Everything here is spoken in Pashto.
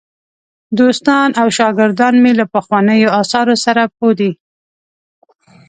دوستان او شاګردان مې له پخوانیو آثارو سره پوه دي.